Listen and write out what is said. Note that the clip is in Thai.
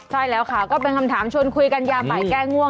ใช่แล้วค่ะก็เป็นคำถามชวนคุยกันยาใหม่แก้ง่วง